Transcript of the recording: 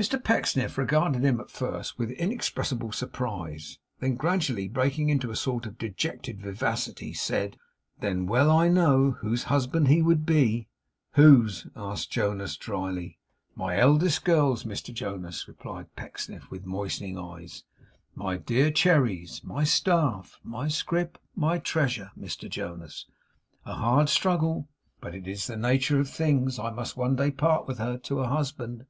Mr Pecksniff regarded him at first with inexpressible surprise; then gradually breaking into a sort of dejected vivacity, said: 'Then well I know whose husband he would be!' 'Whose?' asked Jonas, drily. 'My eldest girl's, Mr Jonas,' replied Pecksniff, with moistening eyes. 'My dear Cherry's; my staff, my scrip, my treasure, Mr Jonas. A hard struggle, but it is in the nature of things! I must one day part with her to a husband.